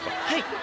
はい。